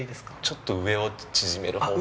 ちょっと上を縮める方が。